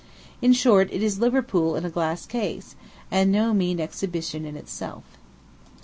In short; it is Liverpool in a glass case, and no mean exhibition in itself.